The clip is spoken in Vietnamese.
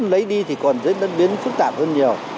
lấy đi thì còn diễn biến phức tạp hơn nhiều